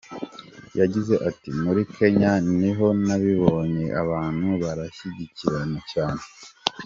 Yagize ati : “Muri Kenya ni ho nabibonye, abantu barashyigikirana cyane.